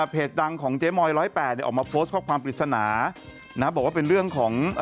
ดังของเจ๊มอย๑๐๘เนี่ยออกมาโพสต์ข้อความปริศนาบอกว่าเป็นเรื่องของ